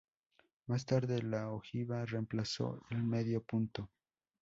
Más tarde, la ojiva reemplazó el medio punto.